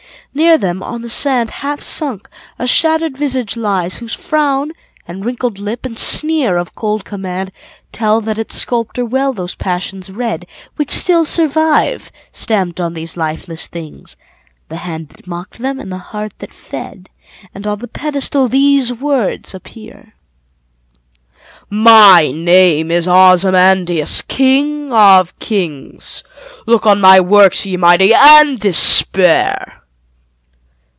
. Near them, on the sand, Half sunk, a shattered visage lies, whose frown, And wrinkled lip, and sneer of cold command, Tell that its sculptor well those passions read Which still survive, stamped on these lifeless things, The hand that mocked them, and the heart that fed; And on the pedestal these words appear: "My name is Ozymandias, king of kings: Look on my works, ye Mighty, and despair!"